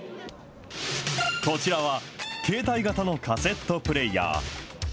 こちらは、携帯型のカセットプレーヤー。